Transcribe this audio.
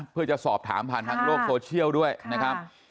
เพื่อจะสอบถามผ่านทางโลกโซเชียลด้วยนะครับ